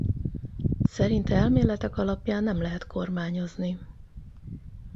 Szerinte elméletek alapján nem lehet kormányozni.